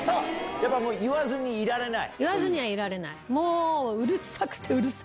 やっぱ言わずにいられない？